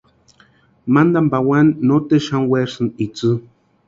Mantani pawani noteru xani werasïnti itsï.